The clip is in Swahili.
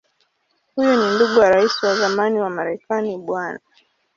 Huyu ni ndugu wa Rais wa zamani wa Marekani Bw.